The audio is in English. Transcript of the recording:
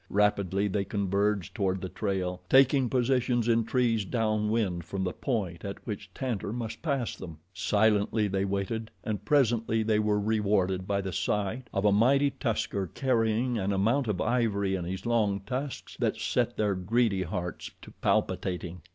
Rapidly they converged toward the trail, taking positions in trees down wind from the point at which Tantor must pass them. Silently they waited and presently were rewarded by the sight of a mighty tusker carrying an amount of ivory in his long tusks that set their greedy hearts to palpitating.